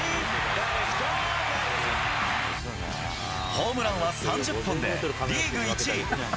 ホームランは３０本でリーグ１位。